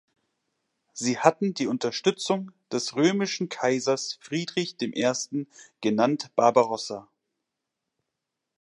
Sie hatten die Unterstützung des römischen Kaisers Friedrich I., genannt Barbarossa.